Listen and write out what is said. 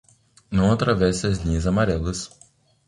Não atravesse as linhas amarelas.